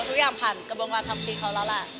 ทุกอย่างผ่านกระบวงการความคิดเขาแล้วแล้ว